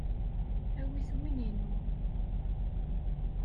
Awit win-inu.